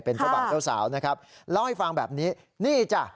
เป็นพระบ่าวเจ้าสาวนะครับเล่าให้ฟังแบบนี้นี่จ้ะ